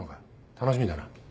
楽しみだな。